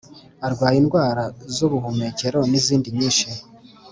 arwaye indwara z’ubuhumekero n’izindi nyinshi